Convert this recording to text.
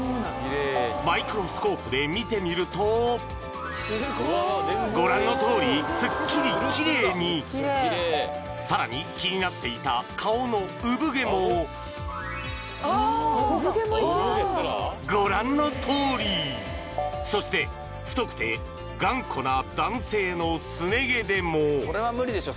マイクロスコープで見てみるとご覧のとおりスッキリキレイにさらに気になっていた顔の産毛もご覧のとおりそして太くて頑固な男性のスネ毛でもこれは無理でしょ